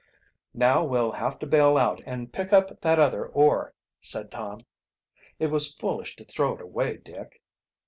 "Now we'll have to bail out and pick up that other oar," said Tom. "It was foolish to throw it away, Dick."